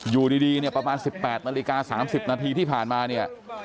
อยู่ดีเนี่ยประมาณ๑๘นาฬิกา๓๐นาทีที่ผ่านมาเนี่ย